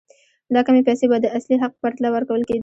دا کمې پیسې به د اصلي حق په پرتله ورکول کېدې.